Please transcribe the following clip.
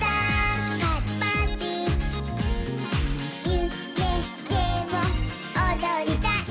「ゆめでもおどりたい」